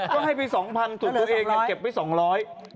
ก็ให้ไป๒๐๐๐บาทสูตรตัวเองเก็บไป๒๐๐บาท